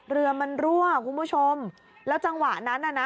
เรือมันรั่วคุณผู้ชมแล้วจังหวะนั้นน่ะนะ